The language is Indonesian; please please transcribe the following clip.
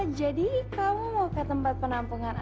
oh jadi kamu mau ke tempat penampungan anak anak